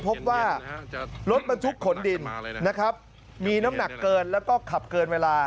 พบว่ารถบรรทุกขนดินนะครับมีน้ำหนักเกินแล้วก็ขับเกินเวลา